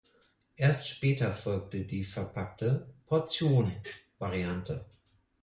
Erst später folgte die verpackte „Portion“-Variante.